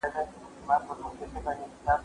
د خوښۍ کمبله ټوله سوه ماتم سو